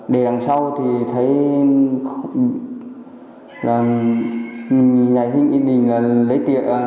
để đằng sau thì thấy